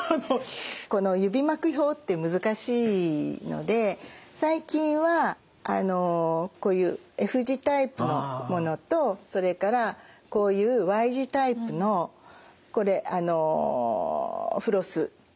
この指巻く用って難しいので最近はこういうＦ字タイプのものとそれからこういうＹ字タイプのフロスホルダーつきのフロスが出ています。